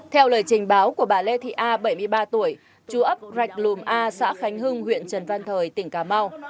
theo lời trình báo của bà lê thị a bảy mươi ba tuổi chú ấp rạch lùm a xã khánh hưng huyện trần văn thời tỉnh cà mau